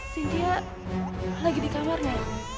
sintia lagi di kamarnya